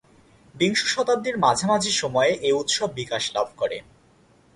বিংশ শতাব্দীর মাঝামাঝি সময়ে এ উৎসব বিকাশ লাভ করে।